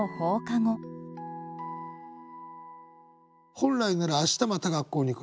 本来なら明日また学校に来る。